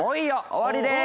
終わりでーす！